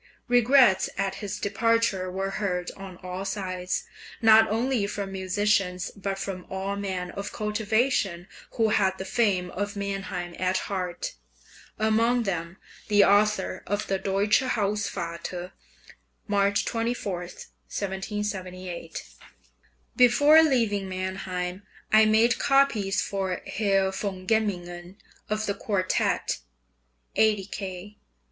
Regrets at his departure were heard on all sides, not only from musicians, but from all men of cultivation who had the fame of Mannheim at heart, among them the author of the "Deutsche Hausvater" (March 24, 1778): Before leaving Mannheim I made copies for Herr von Gemmingen of the quartet (80 K.)